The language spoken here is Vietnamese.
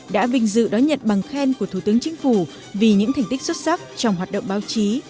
đã vinh dự đón nhận bằng khen của thủ tướng chính phủ vì những thành tích xuất sắc trong hoạt động báo chí